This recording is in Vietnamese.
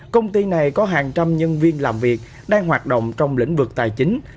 công ty này có hàng trăm nhân viên làm việc đang hoạt động trong lĩnh vực tài chính